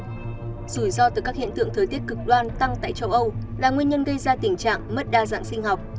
rủi ro từ các hiện tượng thời tiết cực đoan tăng tại châu âu là nguyên nhân gây ra tình trạng mất đa dạng sinh học